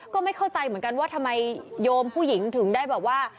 ก็ไม่เข้าใจเหมือนกันว่าทำไมโยมผู้หญิงถึงได้แบบว่า